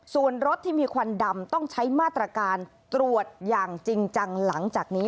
ส่วนรถที่มีควันดำต้องใช้มาตรการตรวจอย่างจริงจังหลังจากนี้